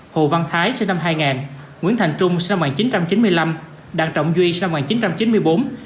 hồ văn thái sinh năm hai nghìn nguyễn thành trung sinh năm một nghìn chín trăm chín mươi năm đặng trọng duy sinh năm một nghìn chín trăm chín mươi bốn